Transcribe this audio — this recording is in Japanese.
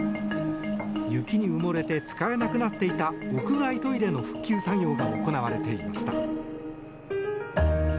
雪に埋もれて使えなくなっていた屋外トイレの復旧作業が行われていました。